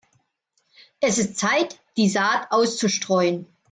Es ist Zeit, die Saat auszustreuen.